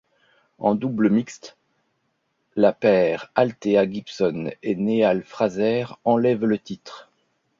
En double mixte, la paire Althea Gibson et Neale Fraser enlève le titre.